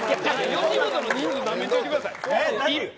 吉本の人数なめんといてください。